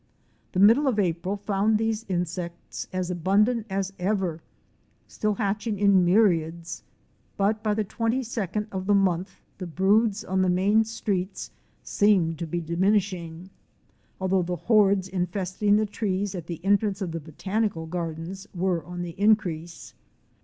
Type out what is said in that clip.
The middle of April found these insects as abundant as ever, still hatching in myriads, but by the 22d of the ronth the broods on the main streets seemed to be diminishing, although the hordes infesting the trees at the entrance of the Botanical Gardens were on the increase.